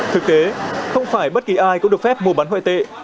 thực tế không phải bất kỳ ai cũng được phép mua bán ngoại tệ